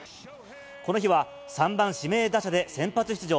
この日は、３番指名打者で先発出場。